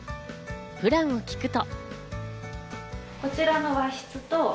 プランを聞くと。